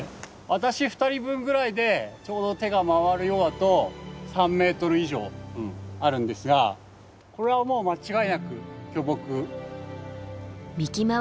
私２人分ぐらいでちょうど手が回るようだと３ｍ以上あるんですがこれはもう間違いなく巨木。